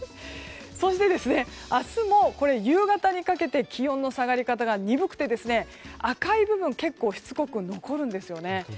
そして、明日も夕方にかけて気温の下がり方が鈍くて赤い部分が結構しつこく残るんですね。